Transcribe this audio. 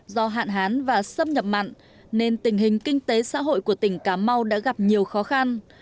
do hạn hán và xâm nhập mặn nên tình hình kinh tế xã hội của tỉnh cà mau đã gặp nhiều khó khăn